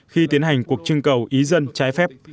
khi tiến hành cuộc trưng cầu ý dân trái phép